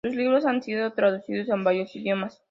Sus libros han sido traducidos a varios idiomas.